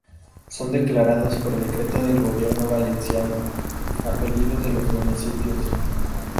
Son declarados por decreto del Gobierno Valenciano, a pedido de los municipios.